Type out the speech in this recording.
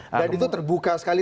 dan itu terbuka sekali